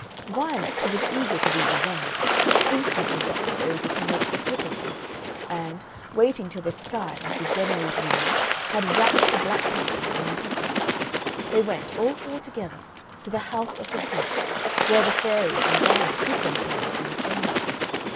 Violet, who was eager to be revenged, instantly got the ogre to make the slippers for her; and, waiting till the Sky, like a Genoese woman, had wrapped the black taffety round her face, they went, all four together, to the house of the Prince, where the fairies and Violet hid themselves in the chamber.